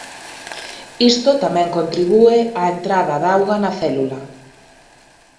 Isto tamén contribúe á entrada de auga na célula.